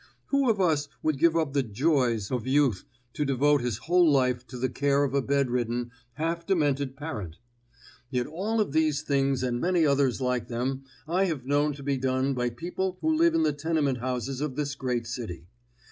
Who of us would give up the joys of youth to devote his whole life to the care of a bed ridden, half demented parent? Yet all of these things and many others like them I have known to be done by people who live in the tenement houses of this great city.